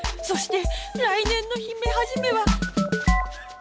そして来年の姫初めは